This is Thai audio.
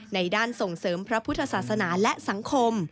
ด้านส่งเสริมพระพุทธศาสนาและสังคม